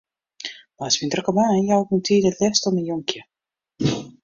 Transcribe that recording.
Neist myn drokke baan jou ik myn tiid it leafst oan myn jonkje.